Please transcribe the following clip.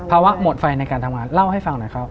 หมดไฟในการทำงานเล่าให้ฟังหน่อยครับ